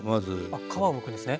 あっ皮をむくんですね。